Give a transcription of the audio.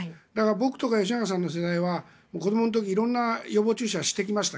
僕とか吉永さんの世代は子どもの時色んな予防注射をしてきました。